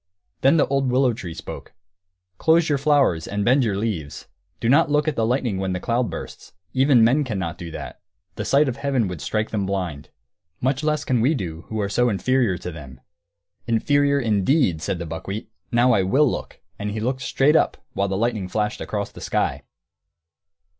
Then the old willow tree spoke: "Close your flowers and bend your leaves. Do not look at the lightning when the cloud bursts. Even men cannot do that; the sight of heaven would strike them blind. Much less can we who are so inferior to them!" "'Inferior,' indeed!" said the buckwheat. "Now I will look!" And he looked straight up, while the lightning flashed across the sky.